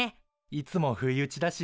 いつも不意打ちだし